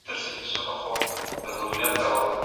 موږ باید د یو بل خیال وساتو.